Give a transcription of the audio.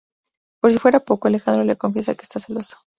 Por si fuera poco, Alejandro le confiesa que está celoso.